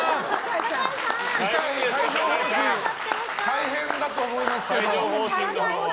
帯状疱疹大変だと思いますけど。